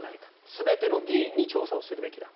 全ての議員に調査をするべきだ。